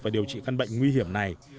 và điều trị căn bệnh nguy hiểm này